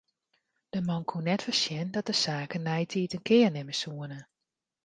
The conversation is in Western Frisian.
De man koe net foarsjen dat de saken neitiid in kear nimme soene.